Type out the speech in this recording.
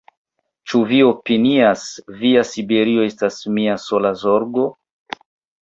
Ĉu vi opinias, via Siberio estas mia sola zorgo?